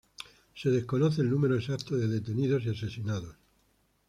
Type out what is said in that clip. Se desconoce el número exacto de detenidos y asesinados.